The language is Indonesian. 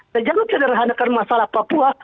dan jangan sederhanakan masalah papua